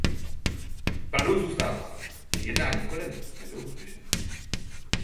Pravdou zůstává, že jednání v Kodani nebylo úspěšné.